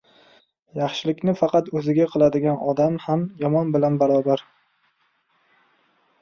• Yaxshilikni faqat o‘ziga qiladigan odam ham yomon bilan barobar.